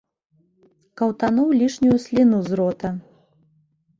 Каўтануў лішнюю сліну з рота.